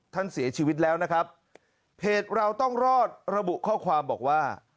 ท่านเสียชีวิตแล้วนะครับเพจเราต้องรอดระบุข้อความบอกว่า